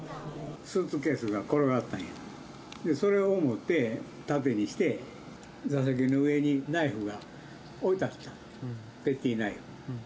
スーツケースが転がってそれを持って、盾にして、座席の上にナイフが置いてあった、ペティナイフ。